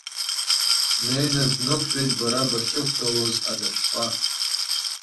Днеины днықәтәеит бара бахьықәтәалоз адашәпа.